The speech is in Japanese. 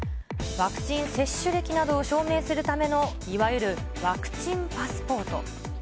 ワクチン接種歴などを証明するための、いわゆるワクチンパスポート。